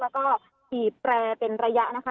แล้วก็ถีบแปรเป็นระยะนะคะ